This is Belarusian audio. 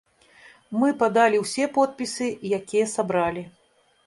Мы падалі ўсе подпісы, якая сабралі.